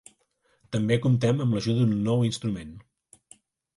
També comptem amb l'ajuda d'un nou instrument.